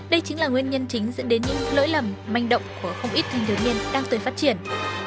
đây chính là nguyên nhân chính dẫn đến những lỗi lầm manh động của không ít thanh thiếu niên đang tươi phát triển